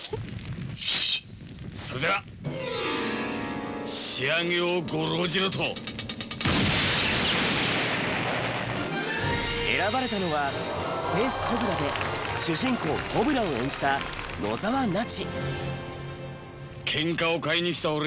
それでは仕上げを御覧じろと。選ばれたのは『スペースコブラ』で主人公コブラを演じた野沢那智。